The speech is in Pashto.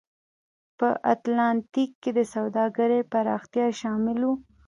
په اتلانتیک کې د سوداګرۍ پراختیا شامل و.